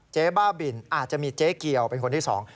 บ้าบินอาจจะมีเจ๊เกียวเป็นคนที่สอง